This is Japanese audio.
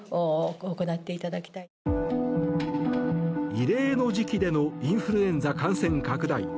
異例の時期でのインフルエンザ感染拡大。